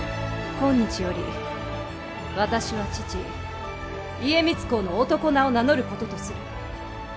今日より私は父家光公の男名を名乗ることとする。